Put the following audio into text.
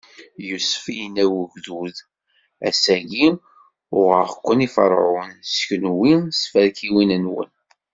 Yusef inna i ugdud: Ass-agi, uɣeɣ-ken i Ferɛun, s kenwi, s tferkiwin-nwen.